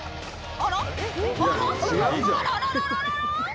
あらららららら？